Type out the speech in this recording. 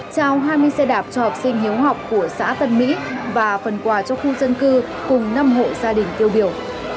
trao hai mươi xe đạp cho học sinh hiếu học của xã tân mỹ và phần quà cho khu dân cư cùng năm hộ gia đình tiêu biểu